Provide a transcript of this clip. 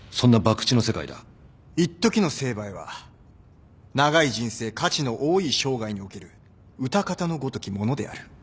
「いっときの成敗は長い人生価値の多い生涯におけるうたかたのごときものである」